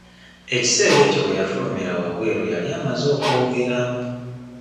Ekiseera ekyo we yafulumira wabweru yali amaze okwogera .